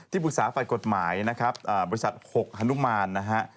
ปรึกษาฝ่ายกฎหมายนะครับบริษัท๖ฮนุมานนะฮะ